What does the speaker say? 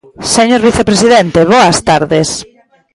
Señor vicepresidente, boas tardes.